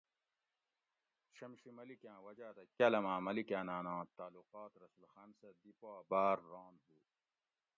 شمشی ملیکاۤں وجاۤ دہ کاۤلاۤماۤں ملیکاۤناۤناں تعلقات رسول خان سہ دی پا باۤر ران ھُو